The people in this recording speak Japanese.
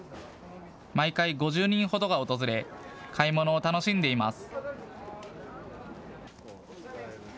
毎回５０人ほどが訪れ買い物を楽しんでいます。